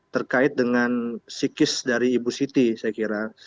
terkait dengan psikis dari ibu siti saya kira